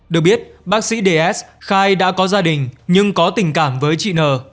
được biết bác sĩ ds khai đã có gia đình nhưng có tình cảm với chị n